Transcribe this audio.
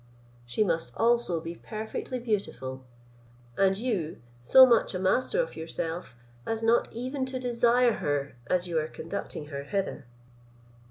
She must also be perfectly beautiful: and you so much a master of yourself, as not even to desire her as you are conducting her hither."